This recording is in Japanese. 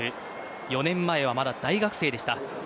４年前はまだ大学生でした。